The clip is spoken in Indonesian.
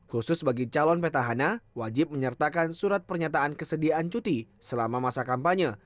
khusus bagi calon petahana wajib menyertakan surat pernyataan kesediaan cuti selama masa kampanye